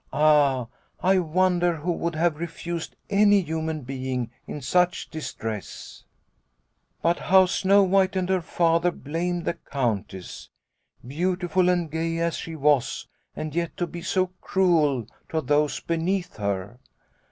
Ah, I wonder who would have refused any human being in such distress !" But how Snow White and her Father blamed the Countess. Beautiful and gay as she was and yet to be so cruel to those beneath her